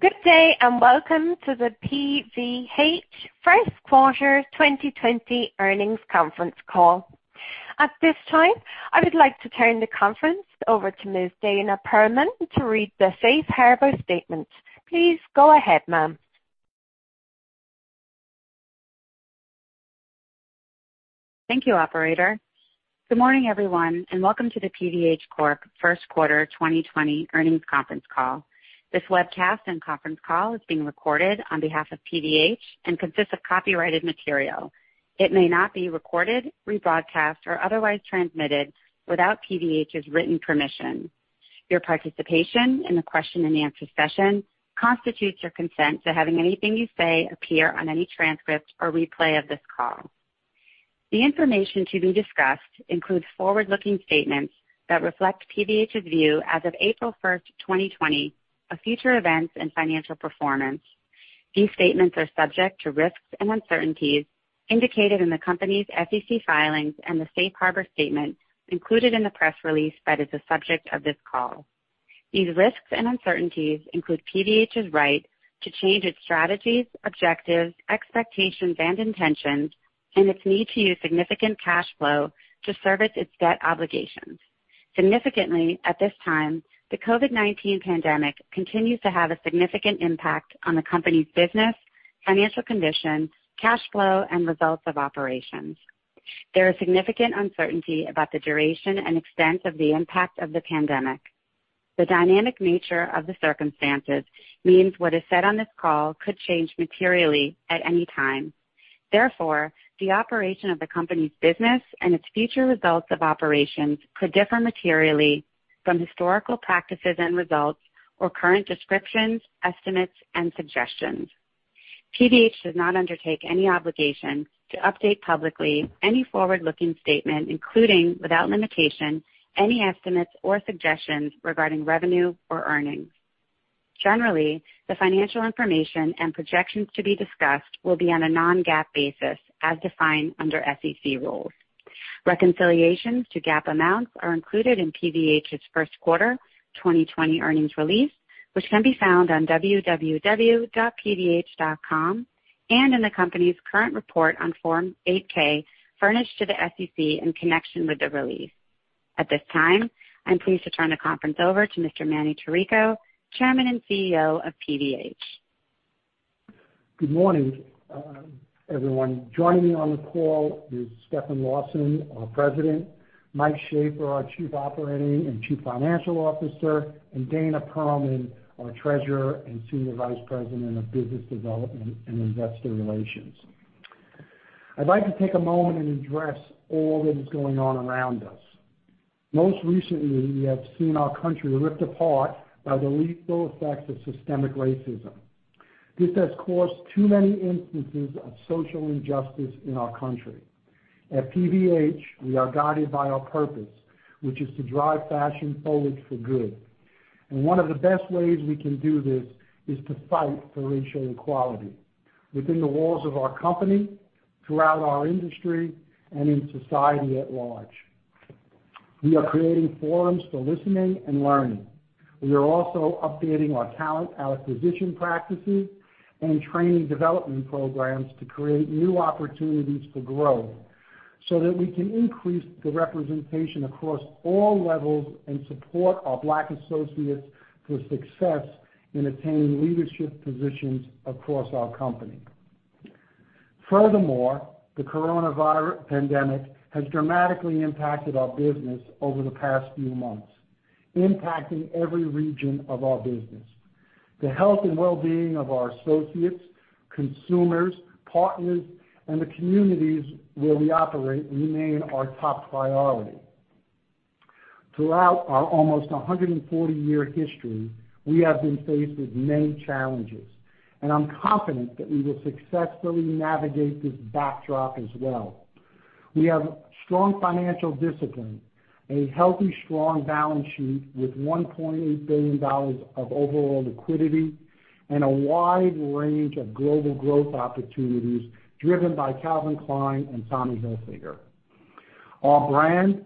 Good day, welcome to the PVH first quarter 2020 earnings conference call. At this time, I would like to turn the conference over to Ms. Dana Perlman to read the safe harbor statement. Please go ahead, ma'am. Thank you, operator. Good morning, everyone, and welcome to the PVH Corp first quarter 2020 earnings conference call. This webcast and conference call is being recorded on behalf of PVH and consists of copyrighted material. It may not be recorded, rebroadcast, or otherwise transmitted without PVH's written permission. Your participation in the question and answer session constitutes your consent to having anything you say appear on any transcript or replay of this call. The information to be discussed includes forward-looking statements that reflect PVH's view as of April 1st, 2020, of future events and financial performance. These statements are subject to risks and uncertainties indicated in the company's SEC filings and the safe harbor statement included in the press release that is the subject of this call. These risks and uncertainties include PVH's right to change its strategies, objectives, expectations, and intentions, and its need to use significant cash flow to service its debt obligations. Significantly, at this time, the COVID-19 pandemic continues to have a significant impact on the company's business, financial condition, cash flow, and results of operations. There is significant uncertainty about the duration and extent of the impact of the pandemic. The dynamic nature of the circumstances means what is said on this call could change materially at any time. Therefore, the operation of the company's business and its future results of operations could differ materially from historical practices and results or current descriptions, estimates, and suggestions. PVH does not undertake any obligation to update publicly any forward-looking statement, including, without limitation, any estimates or suggestions regarding revenue or earnings. Generally, the financial information and projections to be discussed will be on a non-GAAP basis, as defined under SEC rules. Reconciliations to GAAP amounts are included in PVH's first quarter 2020 earnings release, which can be found on www.pvh.com and in the company's current report on Form 8-K furnished to the SEC in connection with the release. At this time, I'm pleased to turn the conference over to Mr. Manny Chirico, Chairman and CEO of PVH. Good morning, everyone. Joining me on the call is Stefan Larsson, our President, Mike Shaffer, our Chief Operating and Chief Financial Officer, and Dana Perlman, our Treasurer and Senior Vice President of Business Development and Investor Relations. I'd like to take a moment and address all that is going on around us. Most recently, we have seen our country ripped apart by the lethal effects of systemic racism. This has caused too many instances of social injustice in our country. At PVH, we are guided by our purpose, which is to drive fashion forward for good. One of the best ways we can do this is to fight for racial equality within the walls of our company, throughout our industry, and in society at large. We are creating forums for listening and learning. We are also updating our talent acquisition practices and training development programs to create new opportunities for growth so that we can increase the representation across all levels and support our Black associates for success in attaining leadership positions across our company. Furthermore, the coronavirus pandemic has dramatically impacted our business over the past few months, impacting every region of our business. The health and well-being of our associates, consumers, partners, and the communities where we operate remain our top priority. Throughout our almost 140-year history, we have been faced with many challenges, and I'm confident that we will successfully navigate this backdrop as well. We have strong financial discipline, a healthy, strong balance sheet with $1.8 billion of overall liquidity, and a wide range of global growth opportunities driven by Calvin Klein and Tommy Hilfiger. Our brand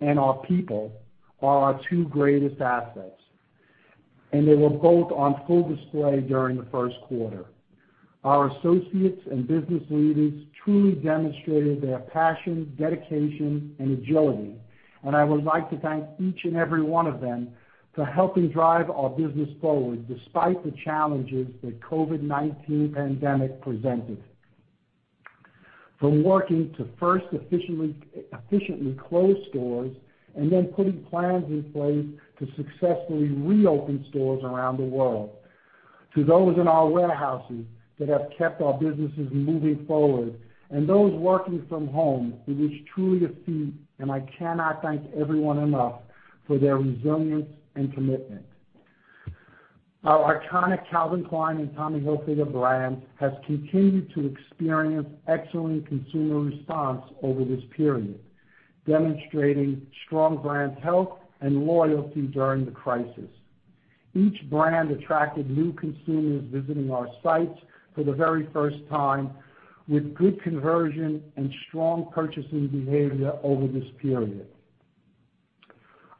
and our people are our two greatest assets, and they were both on full display during the first quarter. Our associates and business leaders truly demonstrated their passion, dedication, and agility, and I would like to thank each and every one of them for helping drive our business forward despite the challenges the COVID-19 pandemic presented. From working to first efficiently close stores and then putting plans in place to successfully reopen stores around the world. To those in our warehouses that have kept our businesses moving forward, and those working from home, it is truly a feat, and I cannot thank everyone enough for their resilience and commitment. Our iconic Calvin Klein and Tommy Hilfiger brands have continued to experience excellent consumer response over this period, demonstrating strong brand health and loyalty during the crisis. Each brand attracted new consumers visiting our sites for the very first time, with good conversion and strong purchasing behavior over this period.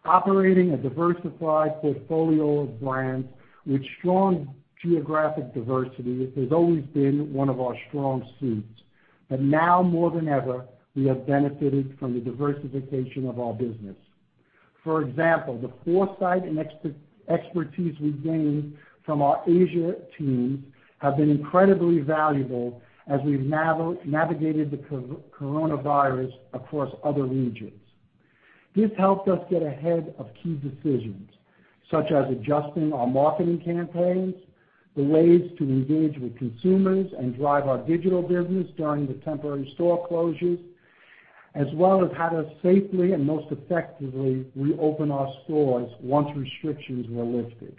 Operating a diversified portfolio of brands with strong geographic diversity has always been one of our strong suits. Now more than ever, we have benefited from the diversification of our business. For example, the foresight and expertise we gained from our Asia teams have been incredibly valuable as we've navigated the coronavirus across other regions. This helped us get ahead of key decisions, such as adjusting our marketing campaigns, the ways to engage with consumers and drive our digital business during the temporary store closures, as well as how to safely and most effectively reopen our stores once restrictions were lifted.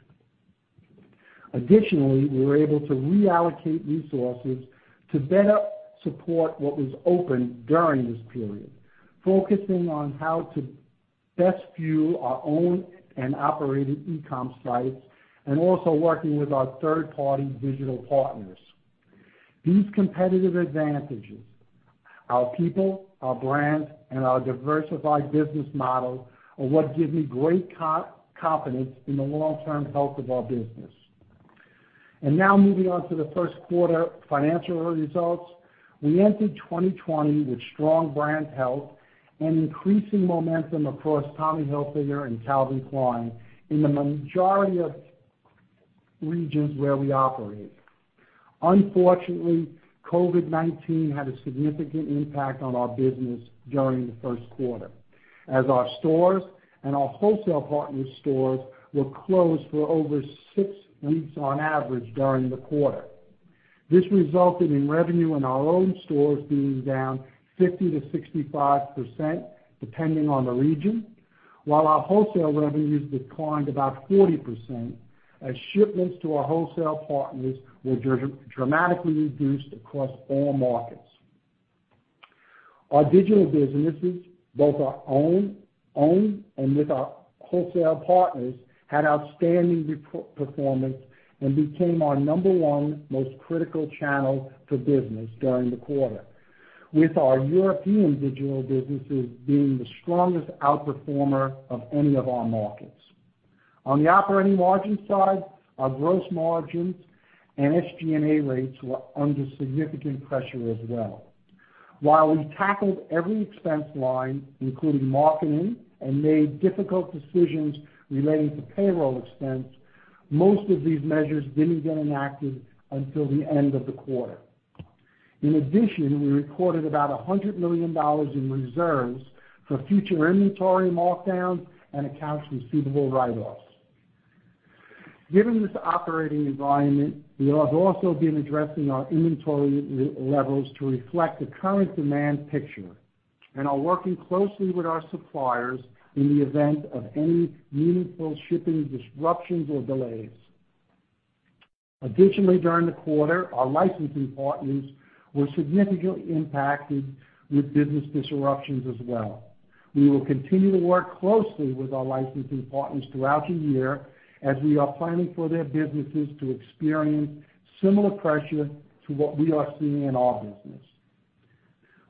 Additionally, we were able to reallocate resources to better support what was open during this period. Focusing on how to best fuel our own and operated e-comm sites, and also working with our third-party digital partners. These competitive advantages, our people, our brands, and our diversified business model are what give me great confidence in the long-term health of our business. Now moving on to the first quarter financial results. We entered 2020 with strong brand health and increasing momentum across Tommy Hilfiger and Calvin Klein in the majority of regions where we operate. Unfortunately, COVID-19 had a significant impact on our business during the first quarter, as our stores and our wholesale partner stores were closed for over six weeks on average during the quarter. This resulted in revenue in our own stores being down 50% to 65%, depending on the region, while our wholesale revenues declined about 40%, as shipments to our wholesale partners were dramatically reduced across all markets. Our digital businesses, both our own and with our wholesale partners, had outstanding performance and became our number one most critical channel for business during the quarter, with our European digital businesses being the strongest outperformer of any of our markets. On the operating margin side, our gross margins and SG&A rates were under significant pressure as well. While we tackled every expense line, including marketing, and made difficult decisions relating to payroll expense, most of these measures didn't get enacted until the end of the quarter. In addition, we recorded about $100 million in reserves for future inventory markdowns and accounts receivable write-offs. Given this operating environment, we have also been addressing our inventory levels to reflect the current demand picture and are working closely with our suppliers in the event of any meaningful shipping disruptions or delays. Additionally, during the quarter, our licensing partners were significantly impacted with business disruptions as well. We will continue to work closely with our licensing partners throughout the year as we are planning for their businesses to experience similar pressure to what we are seeing in our business.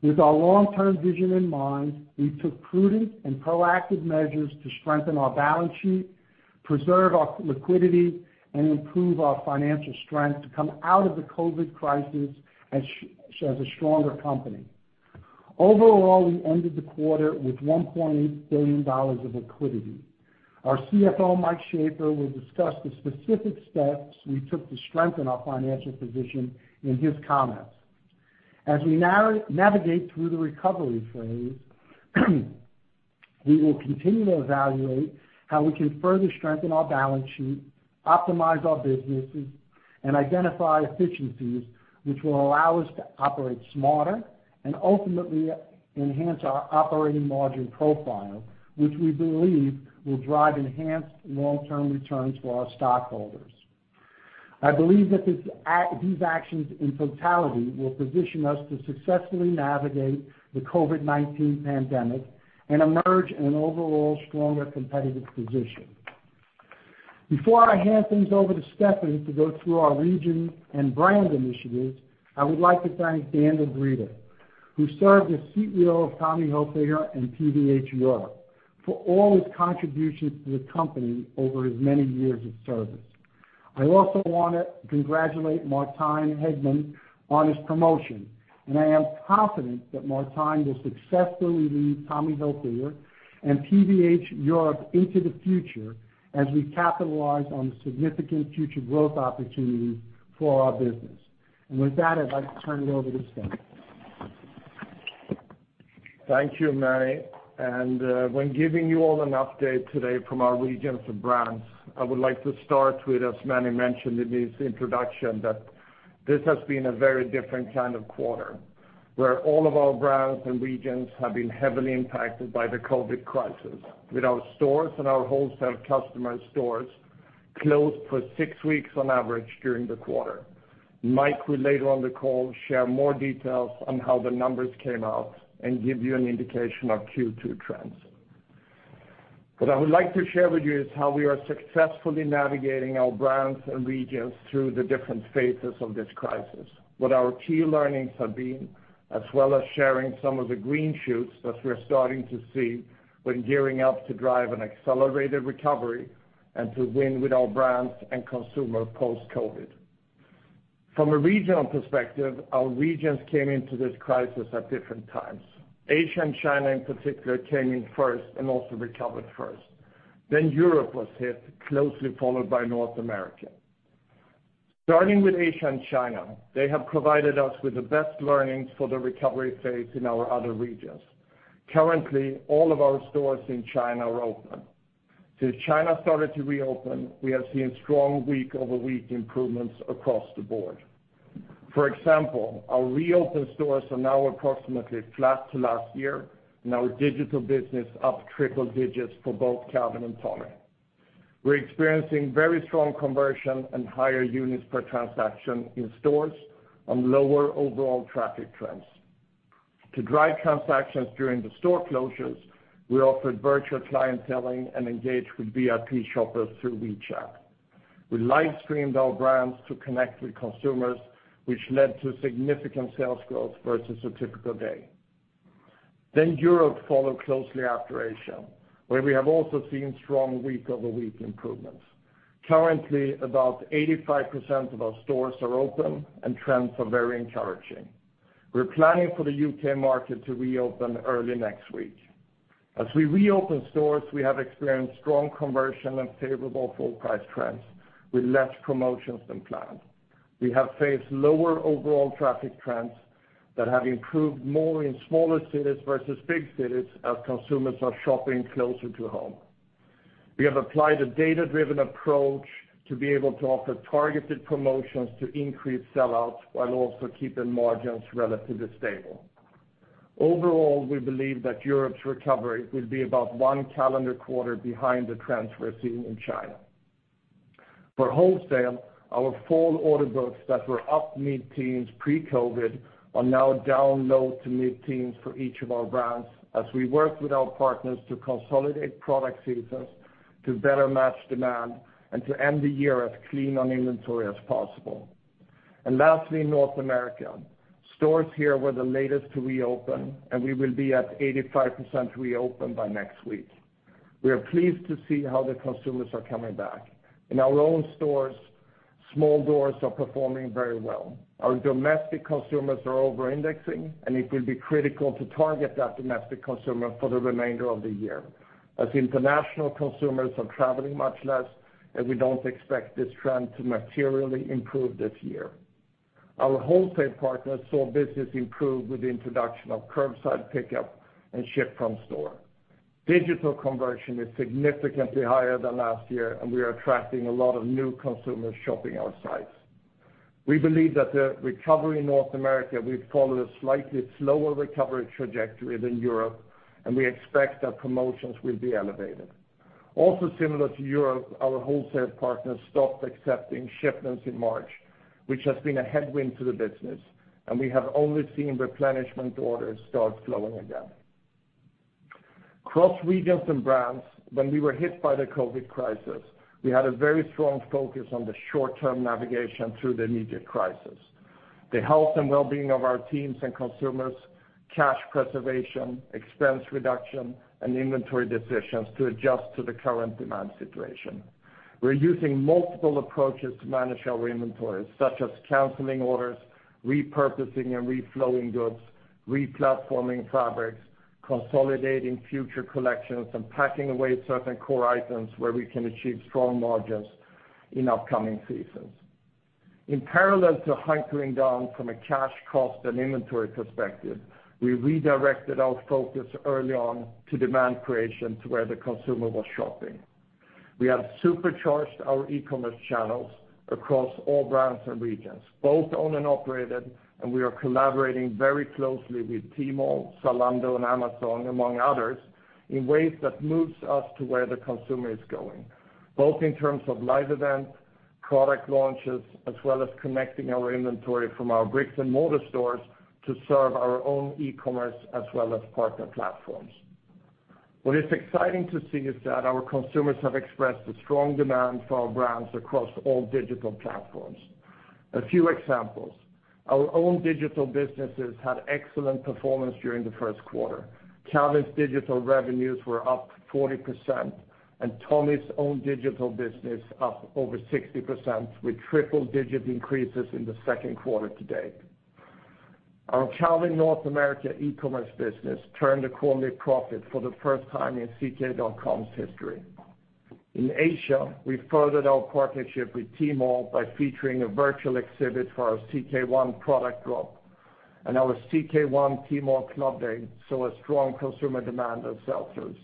With our long-term vision in mind, we took prudent and proactive measures to strengthen our balance sheet, preserve our liquidity, and improve our financial strength to come out of the COVID crisis as a stronger company. Overall, we ended the quarter with $1.8 billion of liquidity. Our CFO, Mike Shaffer, will discuss the specific steps we took to strengthen our financial position in his comments. As we navigate through the recovery phase, we will continue to evaluate how we can further strengthen our balance sheet, optimize our businesses, and identify efficiencies which will allow us to operate smarter and ultimately enhance our operating margin profile, which we believe will drive enhanced long-term returns for our stockholders. I believe that these actions in totality will position us to successfully navigate the COVID-19 pandemic and emerge in an overall stronger competitive position. Before I hand things over to Stefan to go through our region and brand initiatives, I would like to thank Daniel Grieder, who served as CEO of Tommy Hilfiger and PVH Europe, for all his contributions to the company over his many years of service. I also want to congratulate Martijn Hagman on his promotion, and I am confident that Martijn will successfully lead Tommy Hilfiger and PVH Europe into the future as we capitalize on the significant future growth opportunities for our business. With that, I'd like to turn it over to Stefan. Thank you, Manny. When giving you all an update today from our regions and brands, I would like to start with, as Manny mentioned in his introduction, that this has been a very different kind of quarter, where all of our brands and regions have been heavily impacted by the COVID-19 crisis. With our stores and our wholesale customer stores closed for six weeks on average during the quarter. Mike will later on the call share more details on how the numbers came out and give you an indication of Q2 trends. What I would like to share with you is how we are successfully navigating our brands and regions through the different phases of this crisis, what our key learnings have been, as well as sharing some of the green shoots that we're starting to see when gearing up to drive an accelerated recovery and to win with our brands and consumer post-COVID-19. From a regional perspective, our regions came into this crisis at different times. Asia and China, in particular, came in first and also recovered first. Europe was hit, closely followed by North America. Starting with Asia and China, they have provided us with the best learnings for the recovery phase in our other regions. Currently, all of our stores in China are open. Since China started to reopen, we have seen strong week-over-week improvements across the board. For example, our reopen stores are now approximately flat to last year, and our digital business up triple digits for both Calvin and Tommy. We're experiencing very strong conversion and higher units per transaction in stores on lower overall traffic trends. To drive transactions during the store closures, we offered virtual clienteling and engaged with VIP shoppers through WeChat. We live-streamed our brands to connect with consumers, which led to significant sales growth versus a typical day. Europe followed closely after Asia, where we have also seen strong week-over-week improvements. Currently, about 85% of our stores are open, and trends are very encouraging. We are planning for the U.K. market to reopen early next week. As we reopen stores, we have experienced strong conversion and favorable full price trends with less promotions than planned. We have faced lower overall traffic trends that have improved more in smaller cities versus big cities as consumers are shopping closer to home. We have applied a data-driven approach to be able to offer targeted promotions to increase sell-outs while also keeping margins relatively stable. Overall, we believe that Europe's recovery will be about one calendar quarter behind the trends we are seeing in China. For wholesale, our fall order books that were up mid-teens pre-COVID are now down low to mid-teens for each of our brands as we work with our partners to consolidate product seasons to better match demand and to end the year as clean on inventory as possible. Lastly, North America. Stores here were the latest to reopen, and we will be at 85% reopen by next week. We are pleased to see how the consumers are coming back. In our own stores, small doors are performing very well. Our domestic consumers are over-indexing, and it will be critical to target that domestic consumer for the remainder of the year, as international consumers are traveling much less, and we don't expect this trend to materially improve this year. Our wholesale partners saw business improve with the introduction of curbside pickup and ship from store. Digital conversion is significantly higher than last year, and we are attracting a lot of new consumers shopping our sites. We believe that the recovery in North America will follow a slightly slower recovery trajectory than Europe, and we expect that promotions will be elevated. Also similar to Europe, our wholesale partners stopped accepting shipments in March, which has been a headwind to the business, and we have only seen replenishment orders start flowing again. Across regions and brands, when we were hit by the COVID-19 crisis, we had a very strong focus on the short-term navigation through the immediate crisis, the health and wellbeing of our teams and consumers, cash preservation, expense reduction, and inventory decisions to adjust to the current demand situation. We are using multiple approaches to manage our inventories, such as canceling orders, repurposing and reflowing goods, re-platforming fabrics, consolidating future collections, and packing away certain core items where we can achieve strong margins in upcoming seasons. In parallel to hunkering down from a cash, cost, and inventory perspective, we redirected our focus early on to demand creation to where the consumer was shopping. We have supercharged our e-commerce channels across all brands and regions, both owned and operated, and we are collaborating very closely with Tmall, Zalando, and Amazon, among others, in ways that moves us to where the consumer is going, both in terms of live events, product launches, as well as connecting our inventory from our bricks-and-mortar stores to serve our own e-commerce as well as partner platforms. What is exciting to see is that our consumers have expressed a strong demand for our brands across all digital platforms. A few examples. Our own digital businesses had excellent performance during the first quarter. Calvin's digital revenues were up 40%, and Tommy's own digital business up over 60%, with triple-digit increases in the second quarter to date. Our Calvin North America e-commerce business turned a quarterly profit for the first time in ck.com's history. In Asia, we furthered our partnership with Tmall by featuring a virtual exhibit for our CK One product drop, and our CK One Tmall Club Day saw a strong consumer demand of sell-throughs.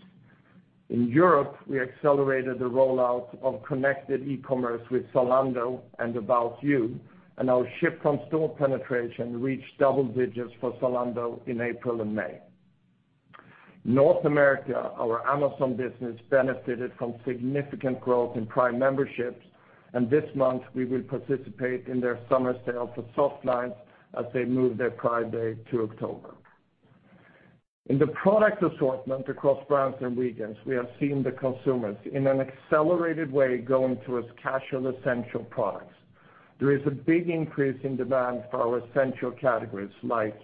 In Europe, we accelerated the rollout of connected e-commerce with Zalando and ABOUT YOU, and our ship from store penetration reached double digits for Zalando in April and May. In North America, our Amazon business benefited from significant growth in Prime memberships. This month, we will participate in their summer sale for soft lines as they move their Prime Day to October. In the product assortment across brands and regions, we have seen the consumers, in an accelerated way, going towards casual, essential products. There is a big increase in demand for our essential categories like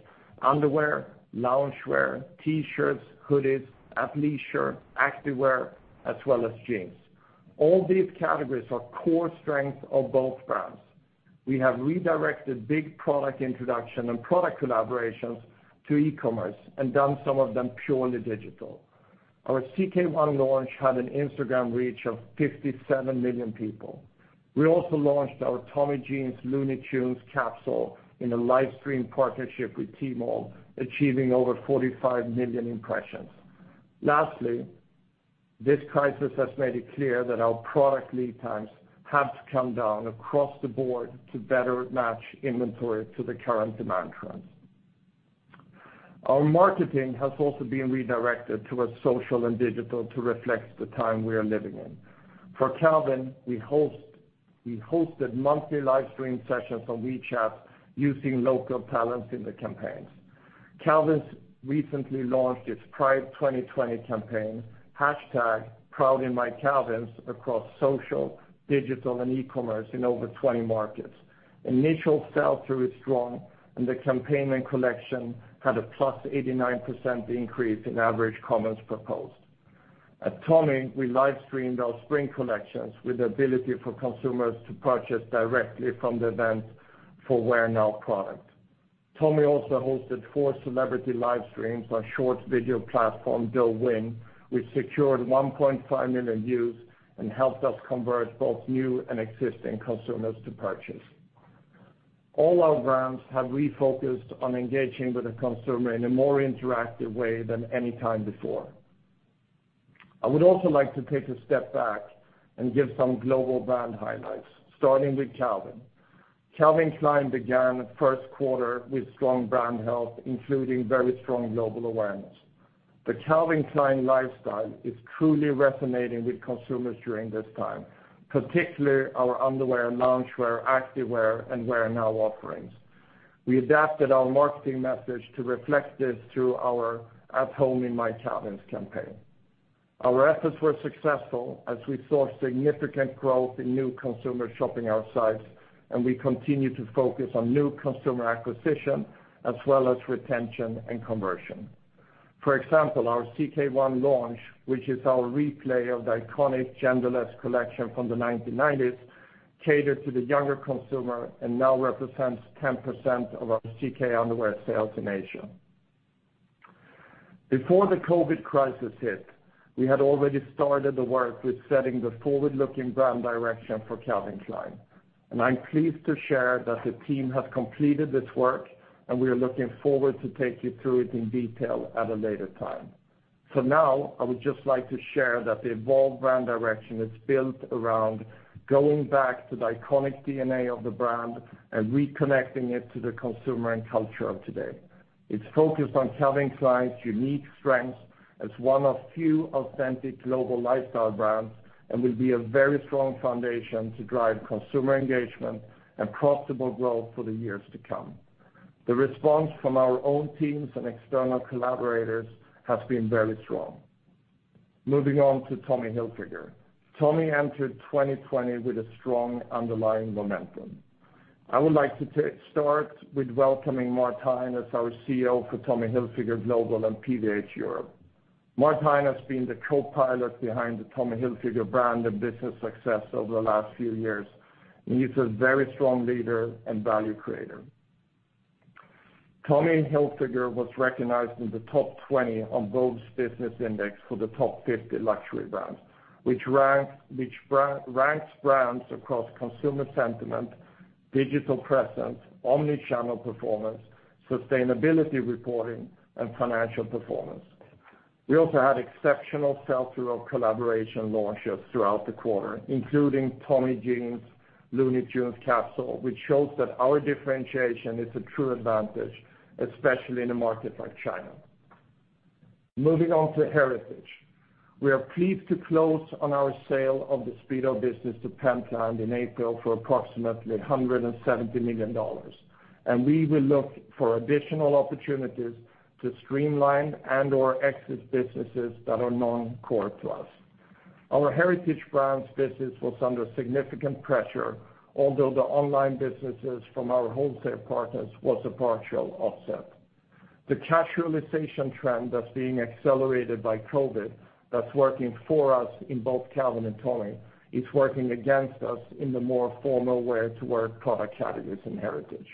underwear, loungewear, T-shirts, hoodies, athleisure, activewear, as well as jeans. All these categories are core strengths of both brands. We have redirected big product introduction and product collaborations to e-commerce and done some of them purely digital. Our CK One launch had an Instagram reach of 57 million people. We also launched our Tommy Jeans Looney Tunes capsule in a live stream partnership with Tmall, achieving over 45 million impressions. Lastly, this crisis has made it clear that our product lead times have to come down across the board to better match inventory to the current demand trends. Our marketing has also been redirected towards social and digital to reflect the time we are living in. For Calvin, we hosted monthly live stream sessions on WeChat using local talents in the campaigns. Calvin recently launched its Pride 2020 campaign, #ProudInMyCalvins, across social, digital, and e-commerce in over 20 markets. Initial sell-through is strong, and the campaign and collection had a +89% increase in average comments per post. At Tommy, we live streamed our spring collections with the ability for consumers to purchase directly from the event for wear-now product. Tommy also hosted four celebrity live streams on short video platform Douyin, which secured 1.5 million views and helped us convert both new and existing consumers to purchase. All our brands have refocused on engaging with the consumer in a more interactive way than any time before. I would also like to take a step back and give some global brand highlights, starting with Calvin. Calvin Klein began the first quarter with strong brand health, including very strong global awareness. The Calvin Klein lifestyle is truly resonating with consumers during this time, particularly our underwear, loungewear, activewear, and wear-now offerings. We adapted our marketing message to reflect this through our At Home in My Calvins campaign. Our efforts were successful as we saw significant growth in new consumer shopping our sites, and we continue to focus on new consumer acquisition as well as retention and conversion. For example, our CK One launch, which is our replay of the iconic genderless collection from the 1990s, caters to the younger consumer and now represents 10% of our CK underwear sales in Asia. Before the COVID crisis hit, we had already started the work with setting the forward-looking brand direction for Calvin Klein. I'm pleased to share that the team has completed this work, and we are looking forward to take you through it in detail at a later time. For now, I would just like to share that the evolved brand direction is built around going back to the iconic DNA of the brand and reconnecting it to the consumer and culture of today. It's focused on Calvin Klein's unique strengths as one of few authentic global lifestyle brands and will be a very strong foundation to drive consumer engagement and profitable growth for the years to come. The response from our own teams and external collaborators has been very strong. Moving on to Tommy Hilfiger. Tommy entered 2020 with a strong underlying momentum. I would like to start with welcoming Martijn as our CEO for Tommy Hilfiger Global and PVH Europe. Martijn has been the co-pilot behind the Tommy Hilfiger brand and business success over the last few years, and he's a very strong leader and value creator. Tommy Hilfiger was recognized in the top 20 on Vogue Business Index for the top 50 luxury brands, which ranks brands across consumer sentiment, digital presence, omni-channel performance, sustainability reporting, and financial performance. We also had exceptional sell-through of collaboration launches throughout the quarter, including Tommy Jeans Looney Tunes capsule, which shows that our differentiation is a true advantage, especially in a market like China. Moving on to heritage. We are pleased to close on our sale of the Speedo business to Pentlands in April for approximately $170 million. We will look for additional opportunities to streamline and/or exit businesses that are non-core to us. Our heritage brands business was under significant pressure, although the online businesses from our wholesale partners was a partial offset. The casualization trend that's being accelerated by COVID that's working for us in both Calvin and Tommy is working against us in the more formal wear-to-work product categories in heritage.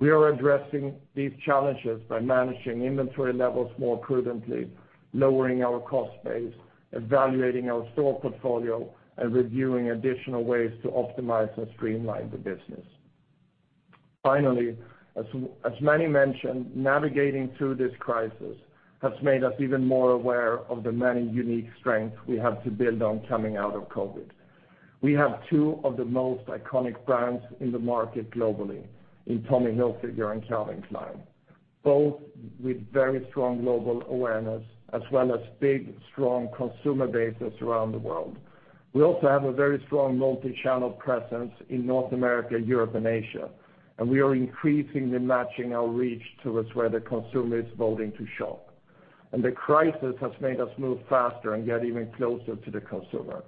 We are addressing these challenges by managing inventory levels more prudently, lowering our cost base, evaluating our store portfolio, and reviewing additional ways to optimize and streamline the business. Finally, as Manny mentioned, navigating through this crisis has made us even more aware of the many unique strengths we have to build on coming out of COVID. We have two of the most iconic brands in the market globally in Tommy Hilfiger and Calvin Klein. Both with very strong global awareness as well as big, strong consumer bases around the world. We also have a very strong multi-channel presence in North America, Europe, and Asia, we are increasingly matching our reach towards where the consumer is voting to shop. The crisis has made us move faster and get even closer to the consumer.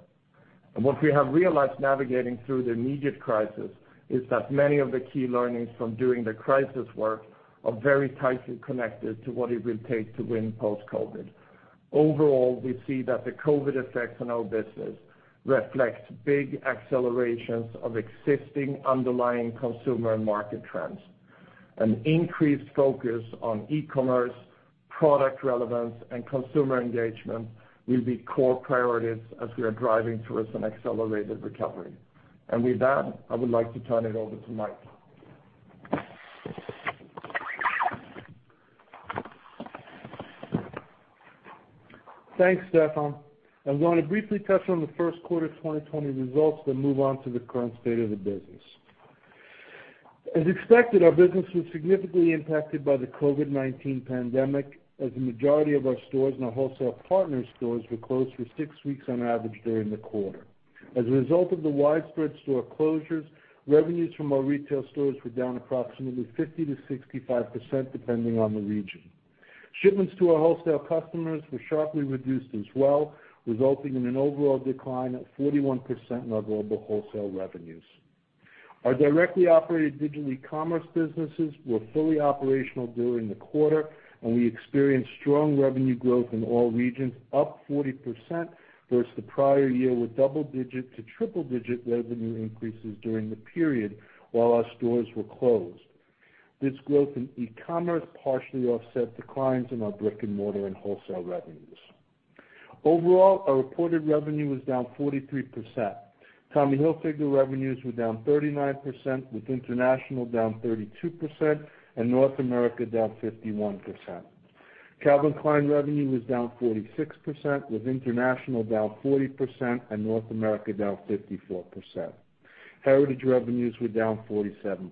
What we have realized navigating through the immediate crisis is that many of the key learnings from doing the crisis work are very tightly connected to what it will take to win post-COVID. Overall, we see that the COVID effects on our business reflects big accelerations of existing underlying consumer and market trends. An increased focus on e-commerce, product relevance, and consumer engagement will be core priorities as we are driving towards an accelerated recovery. With that, I would like to turn it over to Mike. Thanks, Stefan. I want to briefly touch on the first quarter 2020 results, then move on to the current state of the business. As expected, our business was significantly impacted by the COVID-19 pandemic, as the majority of our stores and our wholesale partner stores were closed for six weeks on average during the quarter. As a result of the widespread store closures, revenues from our retail stores were down approximately 50%-65%, depending on the region. Shipments to our wholesale customers were sharply reduced as well, resulting in an overall decline of 41% in our global wholesale revenues. Our directly operated digital e-commerce businesses were fully operational during the quarter, and we experienced strong revenue growth in all regions, up 40% versus the prior year, with double digit to triple digit revenue increases during the period while our stores were closed. This growth in e-commerce partially offset declines in our brick-and-mortar and wholesale revenues. Overall, our reported revenue was down 43%. Tommy Hilfiger revenues were down 39%, with international down 32% and North America down 51%. Calvin Klein revenue was down 46%, with international down 40% and North America down 54%. Heritage revenues were down 47%.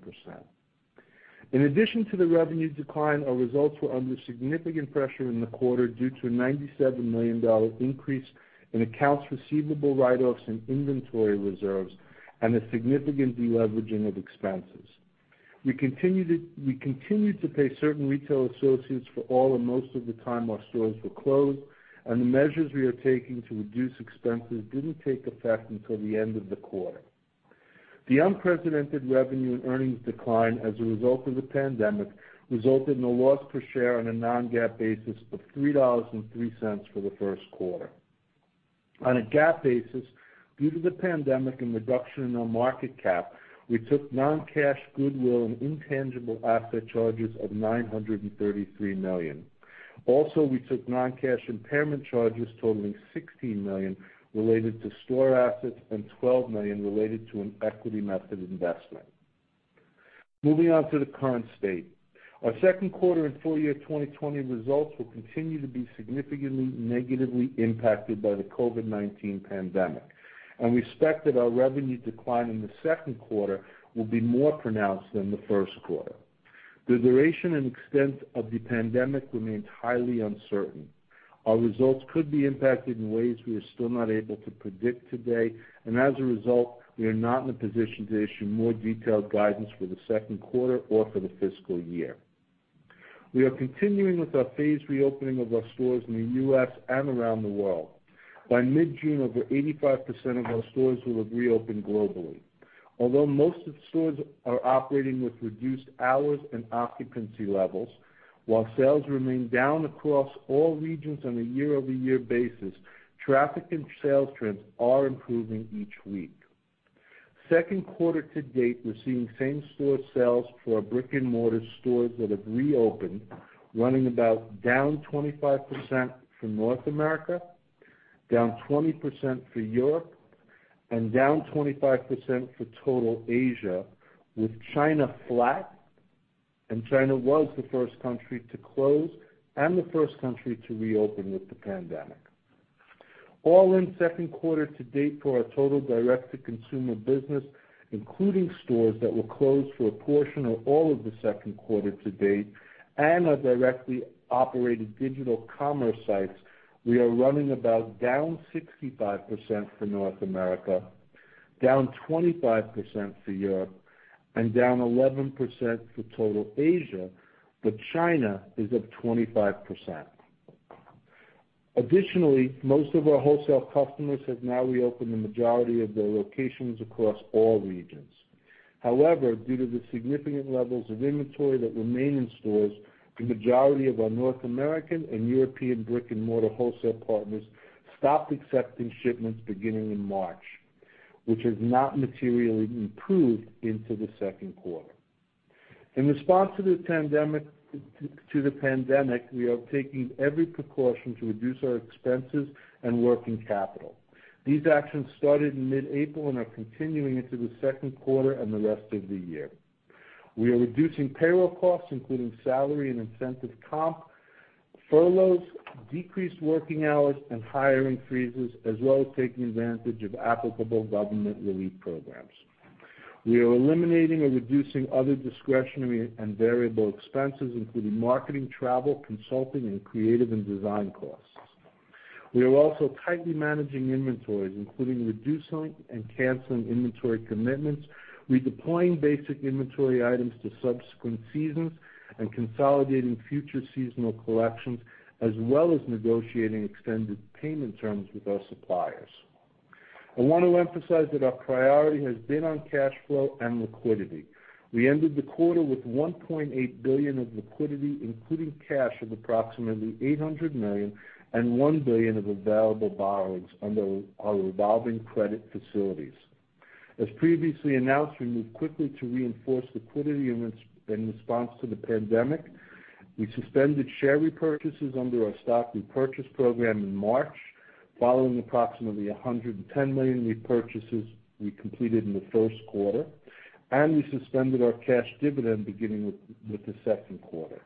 In addition to the revenue decline, our results were under significant pressure in the quarter due to a $97 million increase in accounts receivable write-offs and inventory reserves and a significant deleveraging of expenses. We continued to pay certain retail associates for all or most of the time our stores were closed, and the measures we are taking to reduce expenses didn't take effect until the end of the quarter. The unprecedented revenue and earnings decline as a result of the pandemic resulted in a loss per share on a non-GAAP basis of $3.03 for the first quarter. On a GAAP basis, due to the pandemic and reduction in our market cap, we took non-cash goodwill and intangible asset charges of $933 million. Also, we took non-cash impairment charges totaling $16 million related to store assets and $12 million related to an equity method investment. Moving on to the current state. Our second quarter and full year 2020 results will continue to be significantly negatively impacted by the COVID-19 pandemic, and we expect that our revenue decline in the second quarter will be more pronounced than the first quarter. The duration and extent of the pandemic remains highly uncertain. Our results could be impacted in ways we are still not able to predict today. As a result, we are not in a position to issue more detailed guidance for the second quarter or for the fiscal year. We are continuing with our phased reopening of our stores in the U.S. and around the world. By mid-June, over 85% of our stores will have reopened globally. Although most of the stores are operating with reduced hours and occupancy levels, while sales remain down across all regions on a year-over-year basis, traffic and sales trends are improving each week. Second quarter to date, we're seeing same-store sales for our brick-and-mortar stores that have reopened running about down 25% for North America, down 20% for Europe, and down 25% for total Asia, with China flat, and China was the first country to close and the first country to reopen with the pandemic. All in second quarter to date for our total direct-to-consumer business, including stores that were closed for a portion or all of the second quarter to date and our directly operated digital commerce sites, we are running about down 65% for North America, down 25% for Europe, and down 11% for total Asia, but China is up 25%. Additionally, most of our wholesale customers have now reopened the majority of their locations across all regions. Due to the significant levels of inventory that remain in stores, the majority of our North American and European brick-and-mortar wholesale partners stopped accepting shipments beginning in March, which has not materially improved into the second quarter. In response to the pandemic, we are taking every precaution to reduce our expenses and working capital. These actions started in mid-April and are continuing into the second quarter and the rest of the year. We are reducing payroll costs, including salary and incentive comp, furloughs, decreased working hours, and hiring freezes, as well as taking advantage of applicable government relief programs. We are eliminating or reducing other discretionary and variable expenses, including marketing, travel, consulting, and creative and design costs. We are also tightly managing inventories, including reducing and canceling inventory commitments, redeploying basic inventory items to subsequent seasons, and consolidating future seasonal collections, as well as negotiating extended payment terms with our suppliers. I want to emphasize that our priority has been on cash flow and liquidity. We ended the quarter with $1.8 billion of liquidity, including cash of approximately $800 million and $1 billion of available borrowings under our revolving credit facilities. As previously announced, we moved quickly to reinforce liquidity in response to the pandemic. We suspended share repurchases under our stock repurchase program in March, following approximately 110 million repurchases we completed in the first quarter, and we suspended our cash dividend beginning with the second quarter.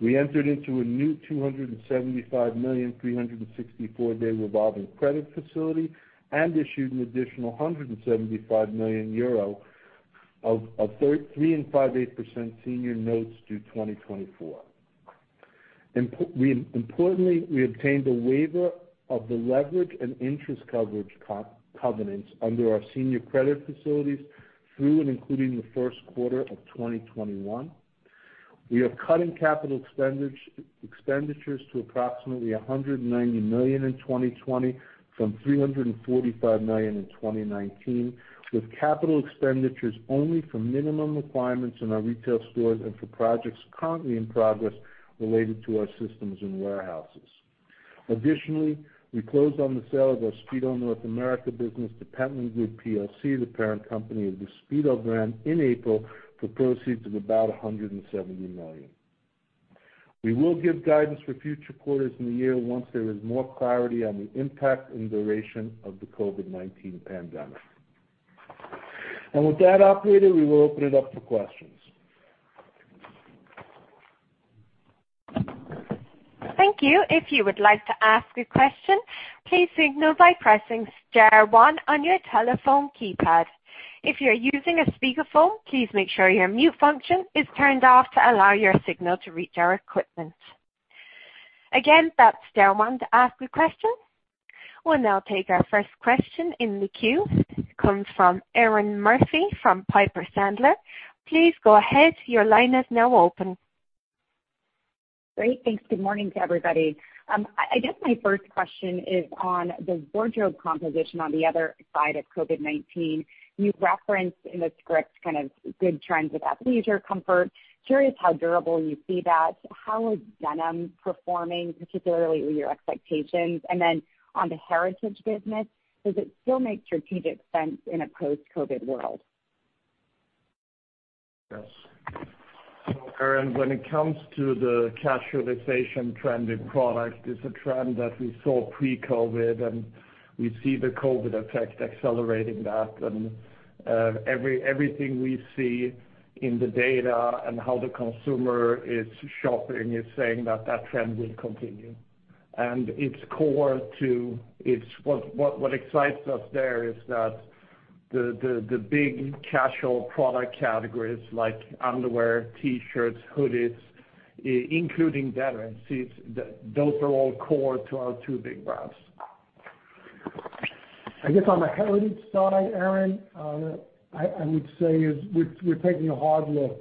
We entered into a new $275 million, 364-day revolving credit facility and issued an additional 175 million euro of 3.625% senior notes due 2024. Importantly, we obtained a waiver of the leverage and interest coverage covenants under our senior credit facilities through and including the first quarter of 2021. We are cutting capital expenditures to approximately $190 million in 2020 from $345 million in 2019, with capital expenditures only for minimum requirements in our retail stores and for projects currently in progress related to our systems and warehouses. Additionally, we closed on the sale of our Speedo North America business to Pentland Group PLC, the parent company of the Speedo brand, in April for proceeds of about $170 million. We will give guidance for future quarters in the year once there is more clarity on the impact and duration of the COVID-19 pandemic. With that, operator, we will open it up for questions. Thank you. If you would like to ask a question, please signal by pressing star one on your telephone keypad. If you're using a speakerphone, please make sure your mute function is turned off to allow your signal to reach our equipment. Again, that's star one to ask a question. We will now take our first question in the queue. It comes from Erinn Murphy from Piper Sandler. Please go ahead, your line is now open. Great. Thanks. Good morning to everybody. I guess my first question is on the wardrobe composition on the other side of COVID-19. You referenced in the script good trends with athleisure comfort. Curious how durable you see that. How is denim performing, particularly with your expectations? Then on the Heritage business, does it still make strategic sense in a post-COVID world? Yes. Erinn, when it comes to the casualization trend in product, it's a trend that we saw pre-COVID-19. We see the COVID-19 effect accelerating that. Everything we see in the data and how the consumer is shopping is saying that that trend will continue. What excites us there is that the big casual product categories like underwear, T-shirts, hoodies, including denim, those are all core to our two big brands. I guess on the Heritage side, Erinn, I would say is we're taking a hard look.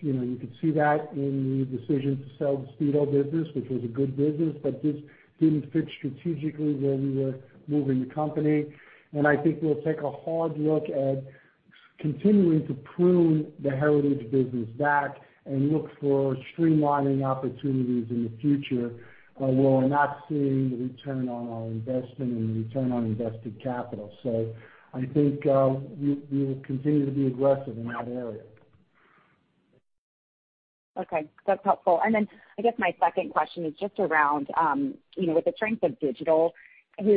You could see that in the decision to sell the Speedo business, which was a good business, but just didn't fit strategically where we were moving the company. I think we'll take a hard look at continuing to prune the Heritage business back and look for streamlining opportunities in the future where we're not seeing the return on our investment and the return on invested capital. I think we will continue to be aggressive in that area. Okay, that's helpful. I guess my second question is just around, with the strength of digital,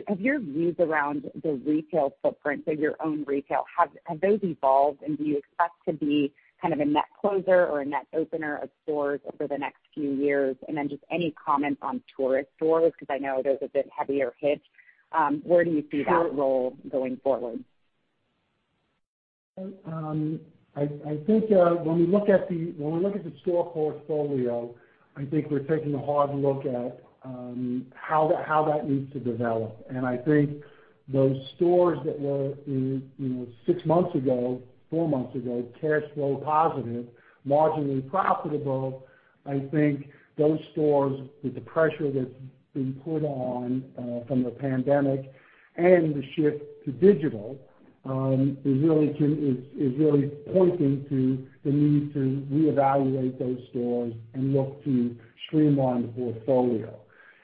have your views around the retail footprint, so your own retail, have those evolved and do you expect to be a net closer or a net opener of stores over the next few years? Just any comments on tourist stores, because I know those are a bit heavier hit. Where do you see that role going forward? I think when we look at the store portfolio, I think we're taking a hard look at how that needs to develop. I think those stores that were, six months ago, four months ago, cash flow positive, marginally profitable, I think those stores, with the pressure that's been put on from the pandemic and the shift to digital, is really pointing to the need to reevaluate those stores and look to streamline the portfolio.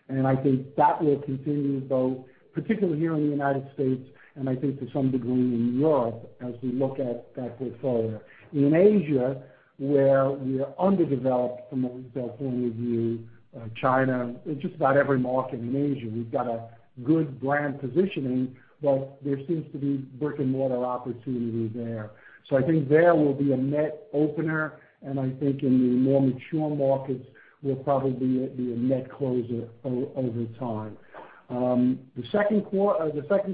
I think that will continue both particularly here in the United States and I think to some degree in Europe as we look at that portfolio. In Asia, where we are underdeveloped from a retail point of view, China, just about every market in Asia, we've got a good brand positioning, but there seems to be brick-and-mortar-opportunity there. I think there we'll be a net opener, and I think in the more mature markets, we'll probably be a net closer over time. The second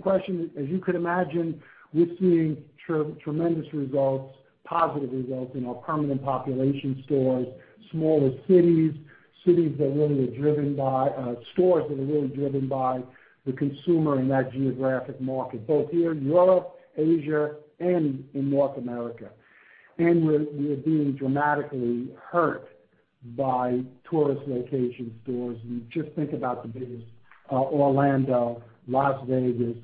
question, as you could imagine, we're seeing tremendous results, positive results in our permanent population stores, smaller cities, stores that are really driven by the consumer in that geographic market, both here in Europe, Asia, and in North America. We're being dramatically hurt by tourist location stores. You just think about the biggest, Orlando, Las Vegas,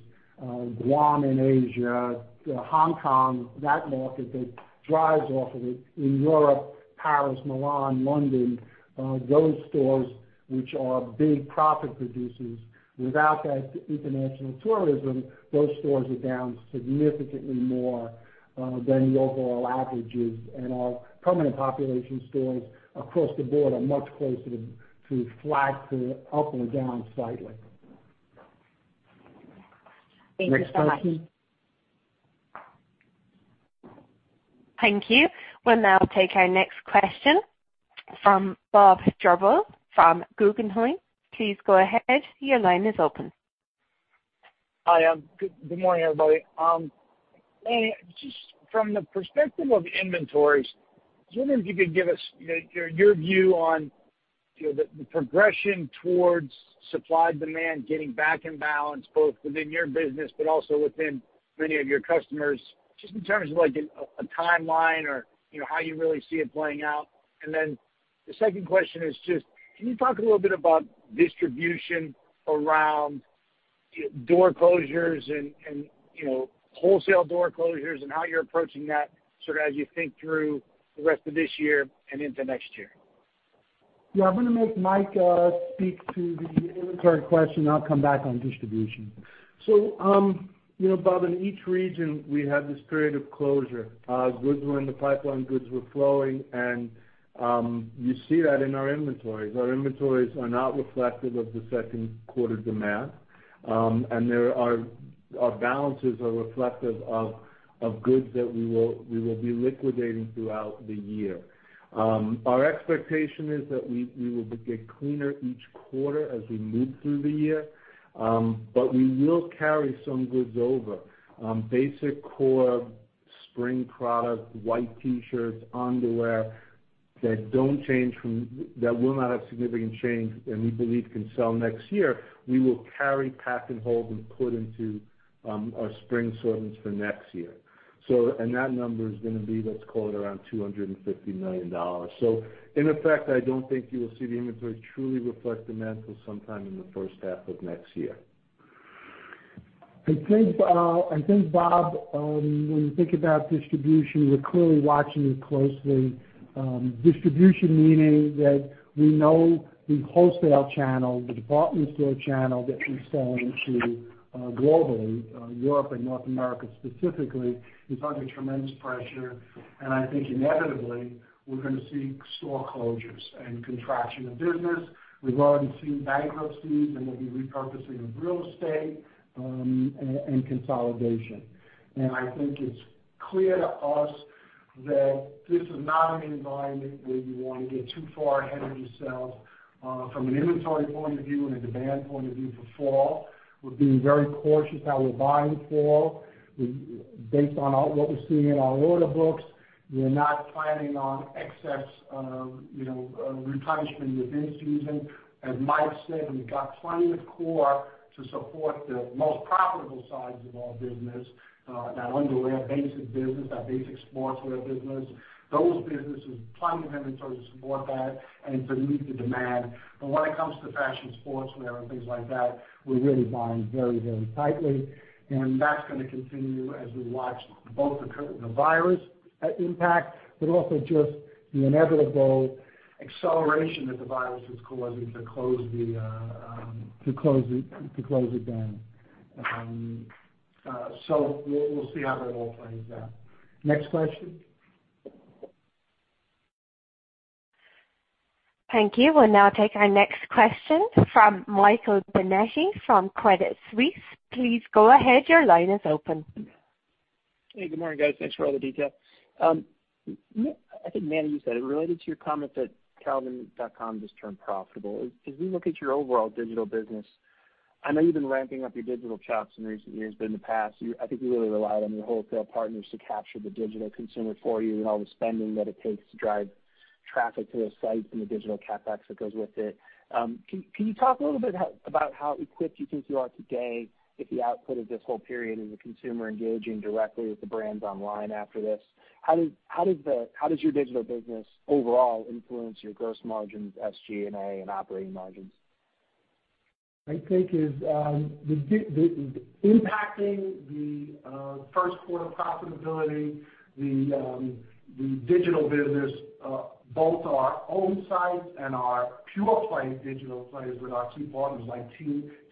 Guam in Asia, Hong Kong, that market that drives off of it. In Europe, Paris, Milan, London, those stores, which are big profit producers. Without that international tourism, those stores are down significantly more than the overall averages. Our permanent population stores across the board are much closer to flat, to up or down slightly. Next question. Thank you. We'll now take our next question from Bob Drbul from Guggenheim. Please go ahead. Your line is open. Hi. Good morning, everybody. Manny, just from the perspective of inventories, just wondering if you could give us your view on the progression towards supply-demand getting back in balance, both within your business, but also within many of your customers, just in terms of a timeline or how you really see it playing out. The second question is just, can you talk a little bit about distribution around door closures and wholesale door closures and how you're approaching that as you think through the rest of this year and into next year? Yeah, I'm going to make Mike speak to the inventory question, and I'll come back on distribution. Bob, in each region, we had this period of closure. Goods were in the pipeline, goods were flowing, and you see that in our inventories. Our inventories are not reflective of the second quarter demand. Our balances are reflective of goods that we will be liquidating throughout the year. Our expectation is that we will get cleaner each quarter as we move through the year. We will carry some goods over. Basic core spring product, white T-shirts, underwear, that will not have significant change, and we believe can sell next year, we will carry, pack, and hold, and put into our spring assortments for next year. That number is going to be, let's call it, around $250 million. In effect, I don't think you will see the inventory truly reflect demand until sometime in the first half of next year. I think, Bob, when you think about distribution, we're clearly watching it closely. Distribution, meaning that we know the wholesale channel, the department store channel that we sell into globally, Europe and North America specifically, is under tremendous pressure. I think inevitably, we're going to see store closures and contraction of business. We've already seen bankruptcies, there'll be repurposing of real estate, and consolidation. I think it's clear to us that this is not an environment where you want to get too far ahead of yourselves. From an inventory point of view and a demand point of view for fall, we're being very cautious how we're buying fall. Based on what we're seeing in our order books, we're not planning on excess replenishment within season. As Mike said, we've got plenty of core to support the most profitable sides of our business, that underwear basic business, that basic sportswear business. Those businesses, plenty of inventory to support that and to meet the demand. When it comes to fashion sportswear and things like that, we're really buying very tightly. That's going to continue as we watch both the virus impact, but also just the inevitable acceleration that the virus is causing to close it down. We'll see how that all plays out. Next question. Thank you. We'll now take our next question from Michael Binetti from Credit Suisse. Please go ahead, your line is open. Hey, good morning, guys. Thanks for all the detail. I think Manny, you said it. Related to your comment that calvinklein.com just turned profitable. As we look at your overall digital business, I know you've been ramping up your digital chops in recent years, but in the past, I think you really relied on your wholesale partners to capture the digital consumer for you and all the spending that it takes to drive traffic to those sites and the digital CapEx that goes with it. Can you talk a little bit about how equipped you think you are today if the output of this whole period is the consumer engaging directly with the brands online after this? How does your digital business overall influence your gross margins, SG&A, and operating margins? I think impacting the first quarter profitability, the digital business, both our own sites and our pure-play digital plays with our key partners like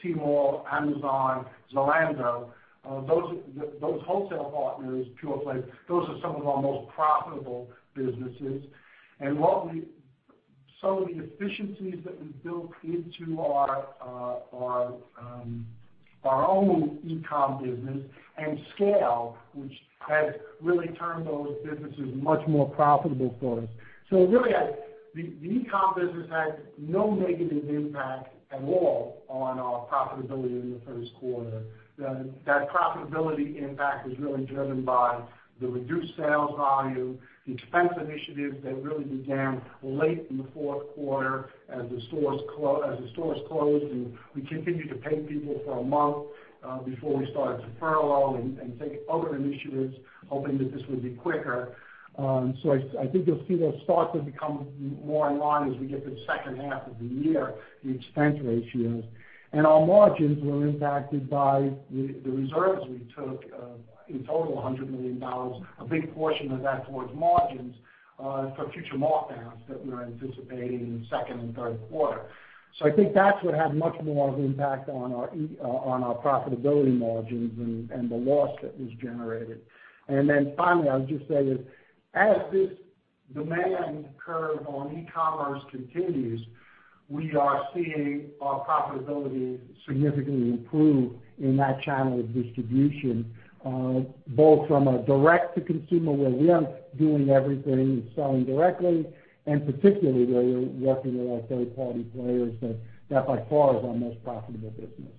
Tmall, Amazon, Zalando. Those wholesale partners, pure-plays, those are some of our most profitable businesses. Some of the efficiencies that we built into our own e-com business and scale, which has really turned those businesses much more profitable for us. Really, the e-com business had no negative impact at all on our profitability in the first quarter. That profitability impact was really driven by the reduced sales volume, the expense initiatives that really began late in the fourth quarter as the stores closed, and we continued to pay people for a month, before we started to furlough and take other initiatives, hoping that this would be quicker. I think you'll see those starts to become more in line as we get to the second half of the year, the expense ratios. Our margins were impacted by the reserves we took, in total, $100 million, a big portion of that towards margins. For future markdowns that we're anticipating in the second and third quarter. I think that's what had much more of an impact on our profitability margins and the loss that was generated. Finally, I would just say is, as this demand curve on e-commerce continues, we are seeing our profitability significantly improve in that channel of distribution, both from a direct-to-consumer, where we are doing everything and selling directly, and particularly where we're working with our third-party players. That by far is our most profitable business.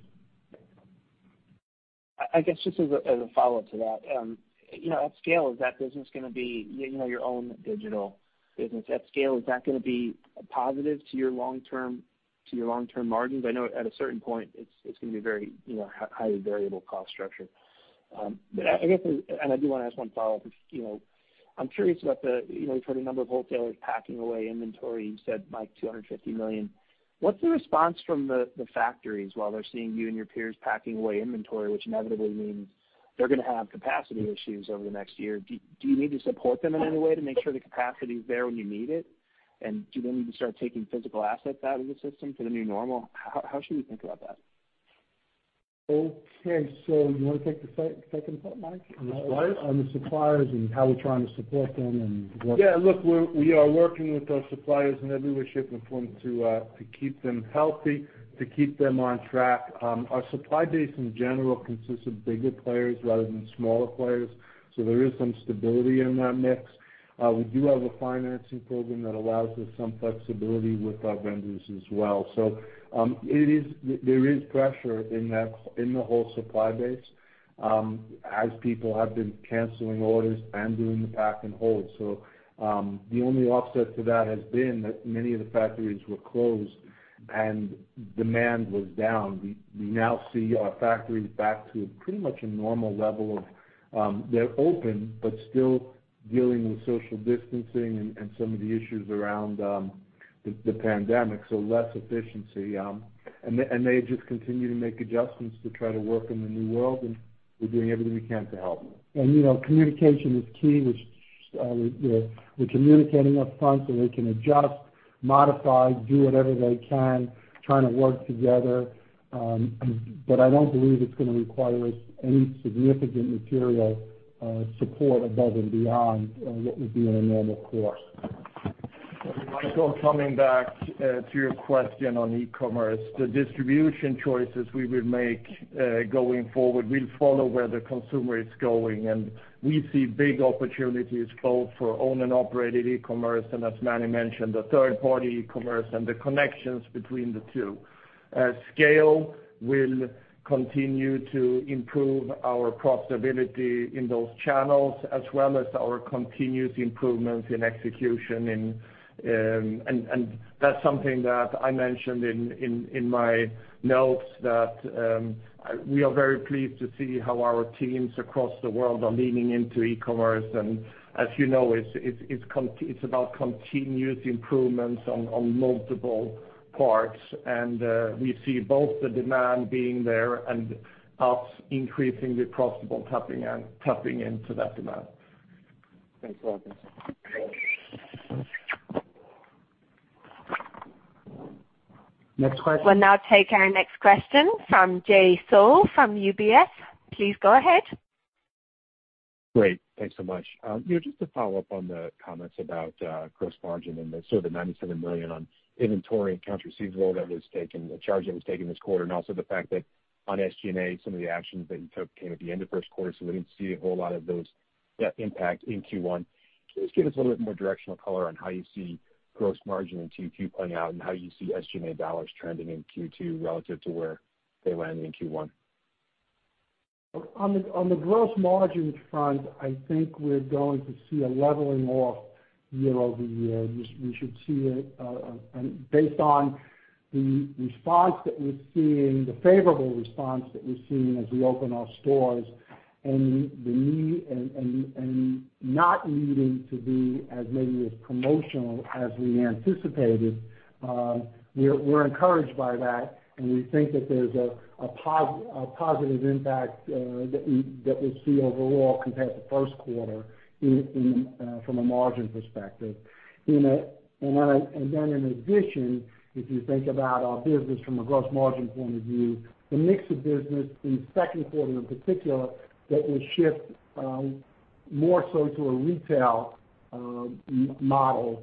I guess just as a follow-up to that. At scale, is that business going to be your own digital business? At scale, is that going to be a positive to your long-term margins? I know at a certain point, it's going to be very highly variable cost structure. I guess, and I do want to ask one follow-up. I'm curious about the, you've heard a number of wholesalers packing away inventory. You said, Mike, $250 million. What's the response from the factories while they're seeing you and your peers packing away inventory, which inevitably means they're going to have capacity issues over the next year. Do you need to support them in any way to make sure the capacity is there when you need it? Do they need to start taking physical assets out of the system for the new normal? How should we think about that? Okay. You want to take the second part, Mike? On the suppliers? On the suppliers and how we're trying to support them and what. Look, we are working with our suppliers and everywhere, shipping from, to keep them healthy, to keep them on track. Our supply base in general consists of bigger players rather than smaller players. There is some stability in that mix. We do have a financing program that allows us some flexibility with our vendors as well. There is pressure in the whole supply base, as people have been canceling orders and doing the pack and hold. The only offset to that has been that many of the factories were closed and demand was down. We now see our factories back to pretty much a normal level of, they're open, but still dealing with social distancing and some of the issues around the pandemic, so less efficiency. They just continue to make adjustments to try to work in the new world and we're doing everything we can to help. Communication is key, which we're communicating up front so they can adjust, modify, do whatever they can, trying to work together. I don't believe it's going to require us any significant material support above and beyond what would be in a normal course. Michael, coming back to your question on e-commerce, the distribution choices we will make going forward will follow where the consumer is going. We see big opportunities both for owned and operated e-commerce and as Manny mentioned, the third party e-commerce and the connections between the two. Scale will continue to improve our profitability in those channels as well as our continued improvement in execution and that's something that I mentioned in my notes that we are very pleased to see how our teams across the world are leaning into e-commerce. As you know, it's about continuous improvements on multiple parts and we see both the demand being there and us increasingly profitable tapping into that demand. Thanks a lot. Next question. We'll now take our next question from Jay Sole from UBS. Please go ahead. Great. Thanks so much. Just to follow up on the comments about gross margin and the sort of the $97 million on inventory and accounts receivable that was taken, the charge that was taken this quarter, and also the fact that on SG&A, some of the actions that you took came at the end of first quarter, so we didn't see a whole lot of those, that impact in Q1. Can you just give us a little bit more directional color on how you see gross margin in Q2 playing out and how you see SG&A dollars trending in Q2 relative to where they landed in Q1? On the gross margin front, I think we're going to see a leveling off year-over-year. Based on the response that we're seeing, the favorable response that we're seeing as we open our stores and not needing to be as maybe as promotional as we anticipated, we're encouraged by that and we think that there's a positive impact that we see overall compared to first quarter from a margin perspective. In addition, if you think about our business from a gross margin point of view, the mix of business in the second quarter in particular, that will shift more so to a retail model,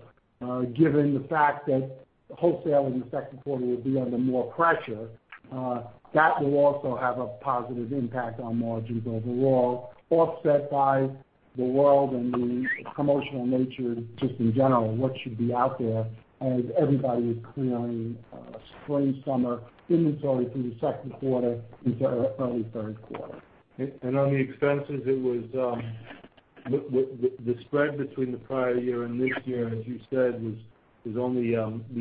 given the fact that wholesale in the second quarter will be under more pressure. That will also have a positive impact on margins overall, offset by the wholesale and the promotional nature just in general and what should be out there as everybody is clearing spring, summer inventory through the second quarter into early third quarter. On the expenses, the spread between the prior year and this year, as you said, we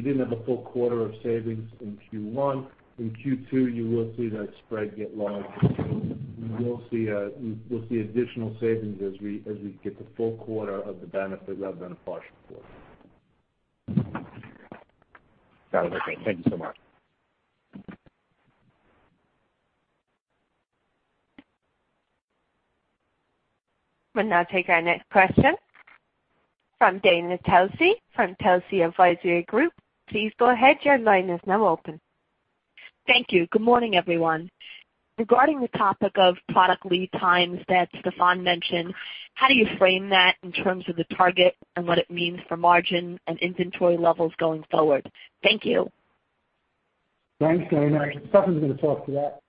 didn't have a full quarter of savings in Q1. In Q2, you will see that spread get larger. You will see additional savings as we get the full quarter of the benefit rather than a partial quarter. Got it. Okay. Thank you so much. We'll now take our next question from Dana Telsey from Telsey Advisory Group. Please go ahead. Your line is now open. Thank you. Good morning, everyone. Regarding the topic of product lead times that Stefan mentioned, how do you frame that in terms of the target and what it means for margin and inventory levels going forward? Thank you. Thanks, Dana. Stefan's going to talk to that.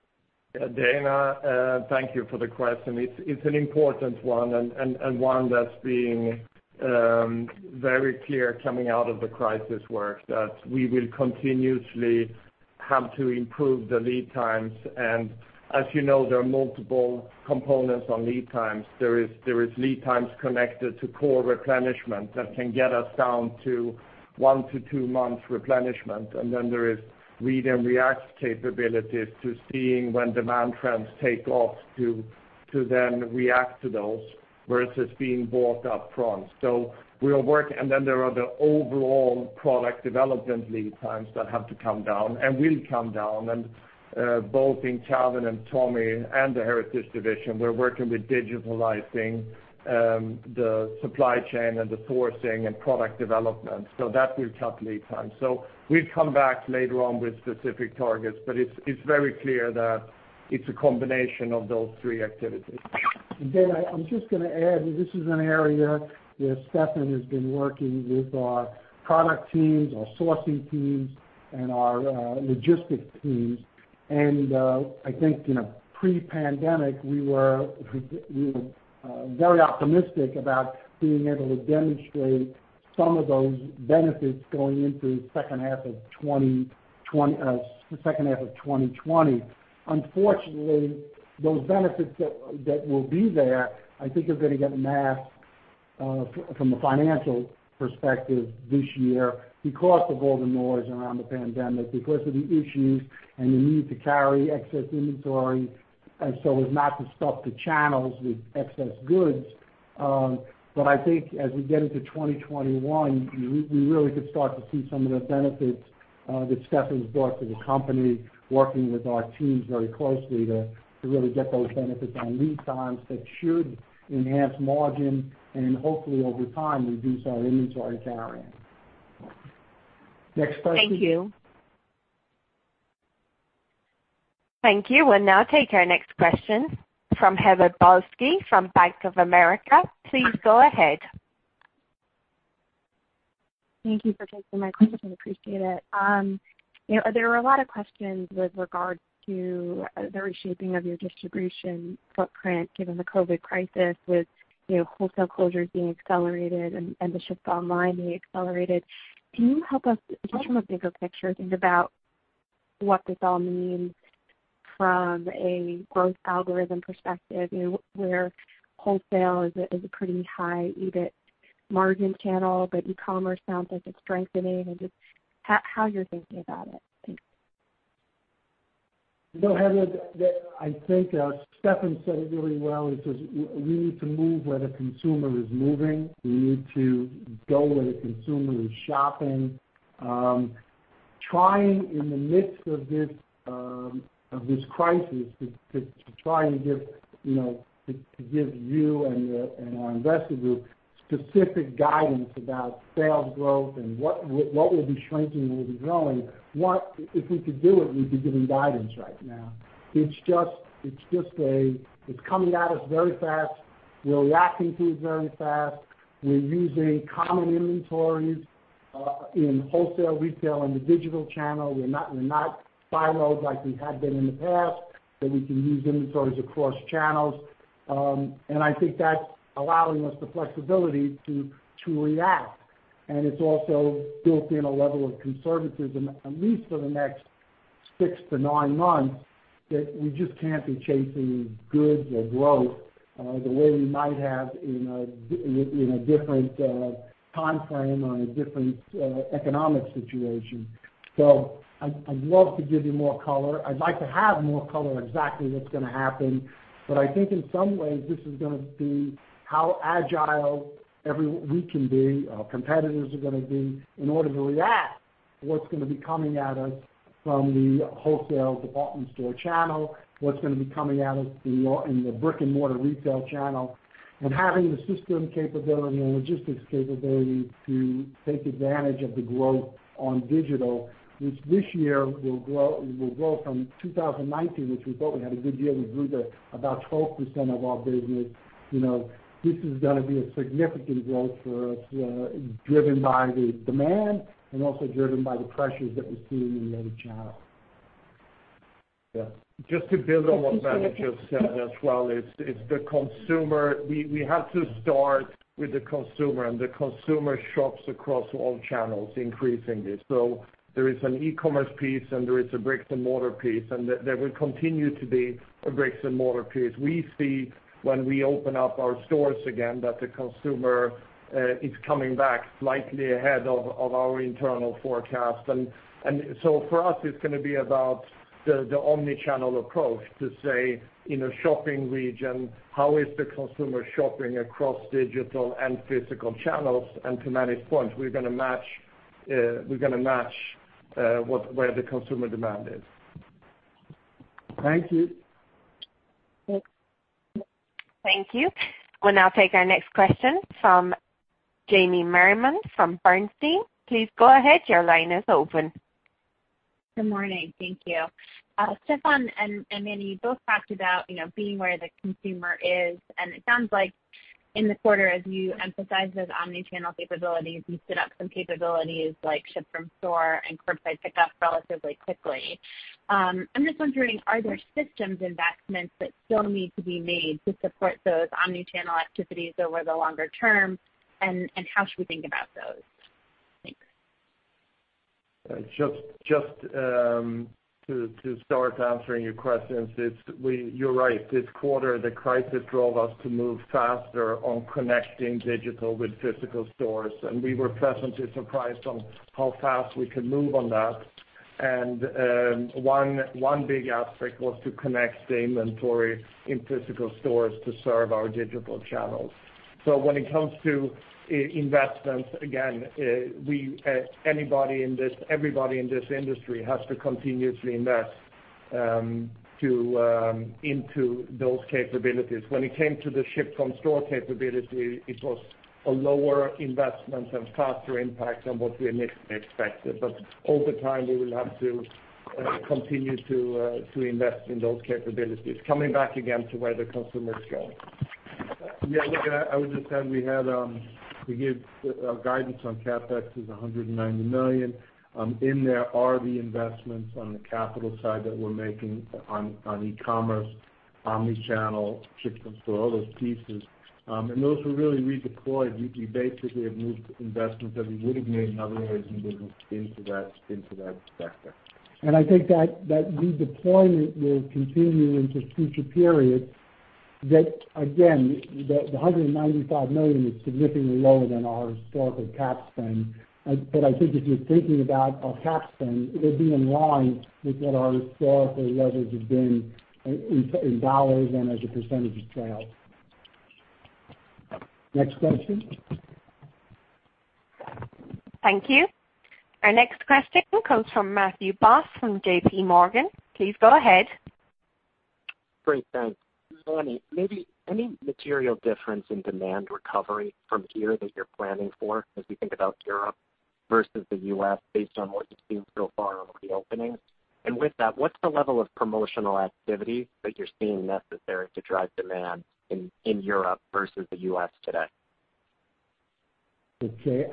Yeah, Dana, thank you for the question. It's an important one and one that's being very clear coming out of the crisis work, that we will continuously have to improve the lead times. As you know, there are multiple components on lead times. There is lead times connected to core replenishment that can get us down to one to two months replenishment. There is read and react capabilities to seeing when demand trends take off to then react to those, versus being bought up front. There are the overall product development lead times that have to come down and will come down. Both in Calvin and Tommy and the Heritage division, we're working with digitalizing the supply chain and the sourcing and product development. That will cut lead time. We'll come back later on with specific targets, but it's very clear that it's a combination of those three activities. Dana, I'm just gonna add, this is an area where Stefan has been working with our product teams, our sourcing teams, and our logistics teams. I think, pre-pandemic, we were very optimistic about being able to demonstrate some of those benefits going into second half of 2020. Unfortunately, those benefits that will be there, I think are gonna get masked from a financial perspective this year because of all the noise around the pandemic, because of the issues and the need to carry excess inventory and so as not to stuff the channels with excess goods. I think as we get into 2021, we really could start to see some of the benefits that Stefan's brought to the company, working with our teams very closely to really get those benefits and lead times that should enhance margin and hopefully over time, reduce our inventory carrying. Next question. Thank you. Thank you. We'll now take our next question from Heather Balsky from Bank of America. Please go ahead. Thank you for taking my question. Appreciate it. There were a lot of questions with regard to the reshaping of your distribution footprint, given the COVID-19 crisis with wholesale closures being accelerated and the shift online being accelerated. Can you help us get some of the bigger picture things about what this all means from a growth algorithm perspective, where wholesale is a pretty high EBIT margin channel, but e-commerce sounds like it's strengthening and just how you're thinking about it. Thanks. You know, Heather, I think Stefan said it really well. He says, we need to move where the consumer is moving. We need to go where the consumer is shopping. Trying in the midst of this crisis to try and give you and our investor group specific guidance about sales growth and what will be shrinking and what will be growing. If we could do it, we'd be giving guidance right now. It's coming at us very fast. We're reacting to it very fast. We're using common inventories, in wholesale, retail, and the digital channel. We're not siloed like we have been in the past, that we can use inventories across channels. I think that's allowing us the flexibility to react. It's also built in a level of conservatism, at least for the next six to nine months, that we just can't be chasing goods or growth, the way we might have in a different timeframe or in a different economic situation. I'd love to give you more color. I'd like to have more color on exactly what's gonna happen. I think in some ways, this is gonna be how agile we can be, our competitors are gonna be in order to react to what's gonna be coming at us from the wholesale department store channel, what's gonna be coming at us in the brick and mortar retail channel, and having the system capability and logistics capability to take advantage of the growth on digital. Which this year will grow from 2019, which we thought we had a good year. We grew to about 12% of our business. This is gonna be a significant growth for us, driven by the demand and also driven by the pressures that we're seeing in the other channels. Yeah. Just to build on what Manny just said as well, it's the consumer. We have to start with the consumer, and the consumer shops across all channels increasingly. There is an e-commerce piece and there is a bricks and mortar piece, and there will continue to be a bricks and mortar piece. We see when we open up our stores again, that the consumer is coming back slightly ahead of our internal forecast. For us, it's gonna be about the omni-channel approach to say, in a shopping region, how is the consumer shopping across digital and physical channels? To Manny's point, we're gonna match where the consumer demand is. Thank you. Thank you. We'll now take our next question from Jamie Merriman from Bernstein. Please go ahead. Your line is open. Good morning. Thank you. Stefan and Manny both talked about being where the consumer is. It sounds like in the quarter, as you emphasize those omni-channel capabilities, you stood up some capabilities like ship from store and curbside pickup relatively quickly. I'm just wondering, are there systems investments that still need to be made to support those omni-channel activities over the longer term? How should we think about those? Thanks. Just to start answering your questions, you're right. This quarter, the crisis drove us to move faster on connecting digital with physical stores, and we were pleasantly surprised on how fast we could move on that. One big aspect was to connect the inventory in physical stores to serve our digital channels. When it comes to investments, again, everybody in this industry has to continuously invest into those capabilities. When it came to the ship from store capability, it was a lower investment and faster impact than what we initially expected. Over time, we will have to continue to invest in those capabilities. Coming back again to where the consumer is going. Yeah, look, I would just add, we gave our guidance on CapEx is $190 million. In there are the investments on the capital side that we're making on e-commerce, omni-channel, ship from store, all those pieces. Those were really redeployed. We basically have moved investments that we would have made in other areas of the business into that sector. I think that redeployment will continue into future periods, that again, the $195 million is significantly lower than our historical CapEx. I think if you're thinking about our CapEx, it will be in line with what our historical levels have been in dollars and as a percentage of sales. Next question. Thank you. Our next question comes from Matthew Boss from JPMorgan. Please go ahead. Great, thanks. Manny, maybe any material difference in demand recovery from here that you're planning for as we think about Europe versus the U.S. based on what you've seen so far over the openings? With that, what's the level of promotional activity that you're seeing necessary to drive demand in Europe versus the U.S. today? Okay.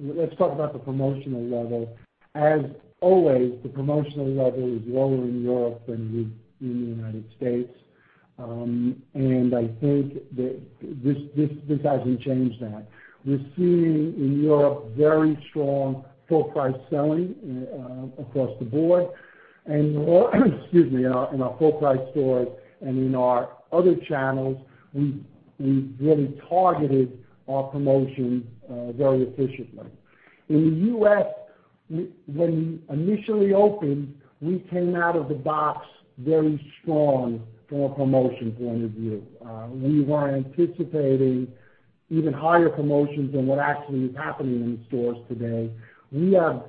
Let's talk about the promotional level. As always, the promotional level is lower in Europe than in the United States. I think that this hasn't changed that. We're seeing in Europe very strong full price selling across the board. Excuse me, in our full price stores and in our other channels, we've really targeted our promotions very efficiently. In the U.S., when we initially opened, we came out of the box very strong from a promotion point of view. We were anticipating even higher promotions than what actually is happening in the stores today. We have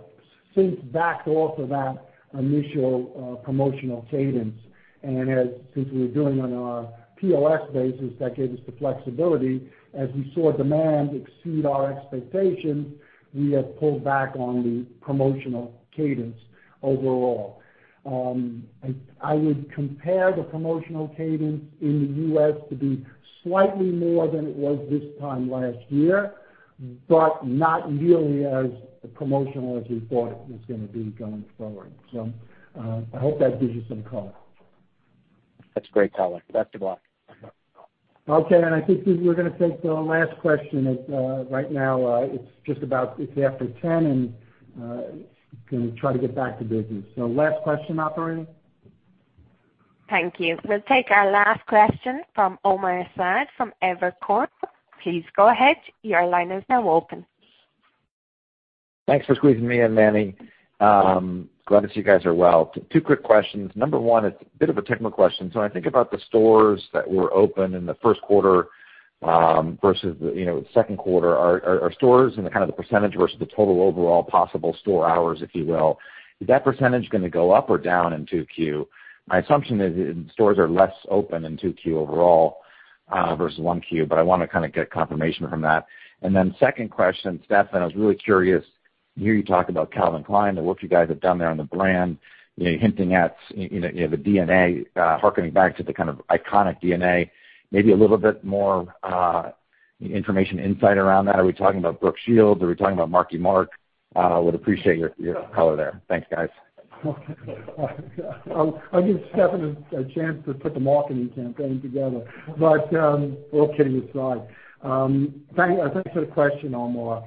since backed off of that initial promotional cadence. Since we're doing it on our PLS basis, that gave us the flexibility. As we saw demand exceed our expectations, we have pulled back on the promotional cadence overall. I would compare the promotional cadence in the U.S. to be slightly more than it was this time last year, but not nearly as promotional as we thought it was going to be going forward. I hope that gives you some color. That's great color. Best of luck. Okay, I think we're going to take the last question. Right now, it's after 10:00, going to try to get back to business. Last question, operator. Thank you. We'll take our last question from Omar Saad from Evercore. Please go ahead. Your line is now open. Thanks for squeezing me in, Manny. Glad to see you guys are well. Two quick questions. Number 1, it's a bit of a technical question. When I think about the stores that were open in the first quarter versus the second quarter, are stores and the percentage versus the total overall possible store hours, if you will, is that percentage going to go up or down in 2Q? My assumption is stores are less open in 2Q overall versus 1Q, but I want to get confirmation from that. Second question, Stefan, I was really curious. I hear you talk about Calvin Klein, the work you guys have done there on the brand. You're hinting at the DNA, harkening back to the kind of iconic DNA. Maybe a little bit more information insight around that. Are we talking about Brooke Shields? Are we talking about Marky Mark? Would appreciate your color there. Thanks, guys. I'll give Stefan a chance to put the Marky Mark campaign together. All kidding aside, thanks for the question, Omar.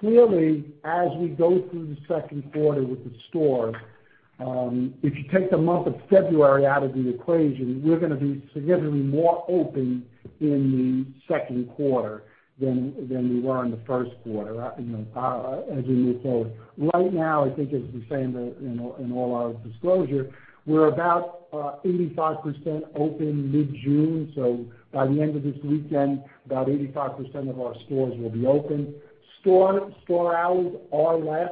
Clearly, as we go through the second quarter with the stores, if you take the month of February out of the equation, we're going to be significantly more open in the second quarter than we were in the first quarter, as you would say. Right now, I think as we say in all our disclosure, we're about 85% open mid-June. By the end of this weekend, about 85% of our stores will be open. Store hours are less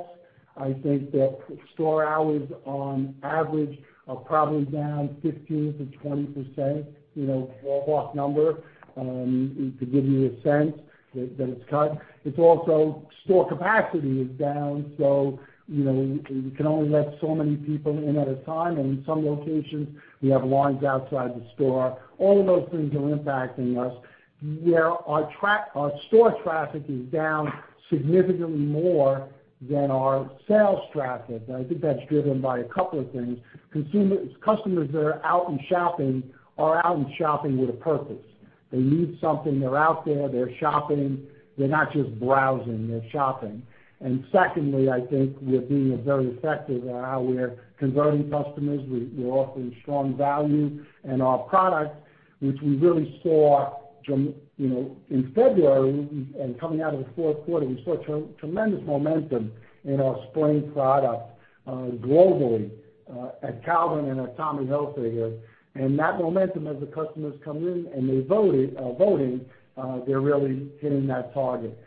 I think that store hours on average are probably down 15%-20%, a ballpark number to give you a sense that it's cut. It's also store capacity is down, so we can only let so many people in at a time, and in some locations, we have lines outside the store. All of those things are impacting us. Our store traffic is down significantly more than our sales traffic. I think that's driven by a couple of things. Customers that are out and shopping are out and shopping with a purpose. They need something. They're out there. They're shopping. They're not just browsing, they're shopping. Secondly, I think we're being very effective in how we're converting customers. We're offering strong value in our product, which we really saw in February and coming out of the fourth quarter. We saw tremendous momentum in our spring product globally at Calvin and at Tommy Hilfiger. That momentum as the customers come in and they're voting, they're really hitting that target.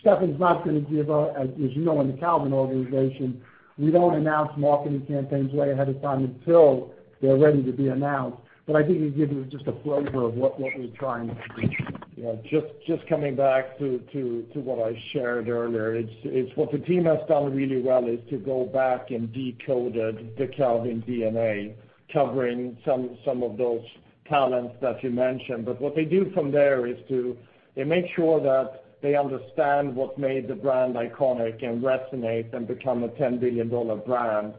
Stefan's not going to give up. As you know, in the Calvin organization, we don't announce marketing campaigns way ahead of time until they're ready to be announced. I think he gave you just a flavor of what we're trying to do. Yeah. Just coming back to what I shared earlier. What the team has done really well is to go back and decoded the Calvin DNA, covering some of those talents that you mentioned. What they do from there is to make sure that they understand what made the brand iconic and resonate and become a $10 billion brand.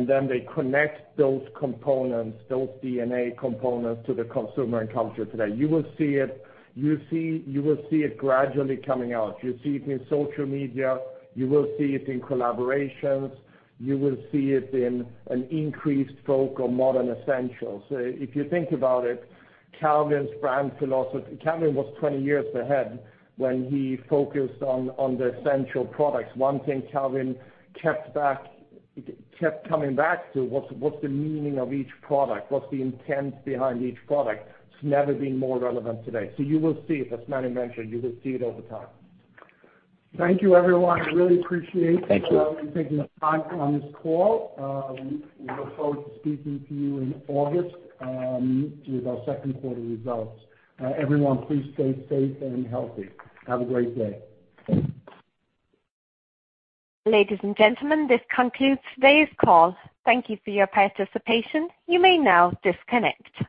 They connect those components, those DNA components, to the consumer and culture today. You will see it gradually coming out. You'll see it in social media. You will see it in collaborations. You will see it in an increased focus on modern essentials. If you think about it, Calvin was 20 years ahead when he focused on the essential products. One thing Calvin kept coming back to was the meaning of each product, what's the intent behind each product. It's never been more relevant today. You will see it, as Manny mentioned, you will see it over time. Thank you, everyone. Thank you. you for taking the time on this call. We look forward to speaking to you in August with our second quarter results. Everyone, please stay safe and healthy. Have a great day. Ladies and gentlemen, this concludes today's call. Thank you for your participation. You may now disconnect.